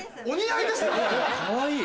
かわいい。